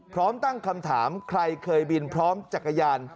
พร้อมตั้งคำถามใครเคยบินพร้อมจักรยาน